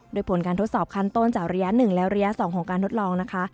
โดยผลการทดสอบขั้นต้นจากระยะ๑และระยะ๒ของการทดลองนะคะ